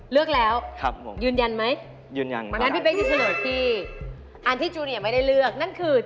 เลือกแล้วยืนยันไหมมั้ยโอเค